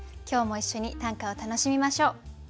今日も一緒に短歌を楽しみましょう。